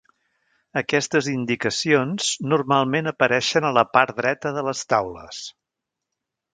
Aquestes indicacions normalment apareixen a la part dreta de les taules.